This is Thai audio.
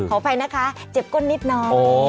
อภัยนะคะเจ็บก้นนิดน้อย